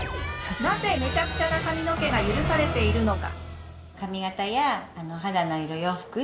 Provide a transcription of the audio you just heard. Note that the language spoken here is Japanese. なぜめちゃくちゃな髪の毛が許されているのか？